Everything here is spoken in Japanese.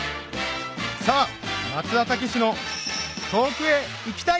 さぁ松田丈志の『遠くへ行きたい』！